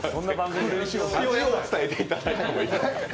味を伝えていただいてもいいですか？